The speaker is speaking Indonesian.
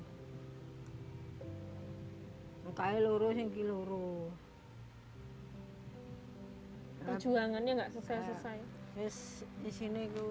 disah kind eating shop deinen berpartita tentang victoria shakespeare never cancel yang